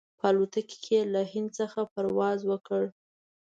په الوتکه کې یې له هند څخه پرواز وکړ.